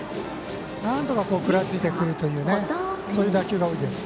なんとか食らいついてくるという打球が多いです。